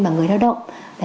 và người lao động